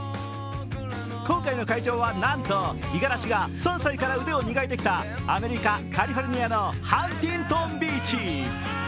今回の会場は、なんと五十嵐が３歳から腕を磨いてきたアメリカ・カリフォルニアのハンティントンビーチ。